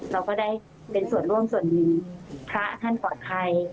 เราก็ได้เป็นส่วนร่วมส่วนนี้พระท่านพอร์ตไทย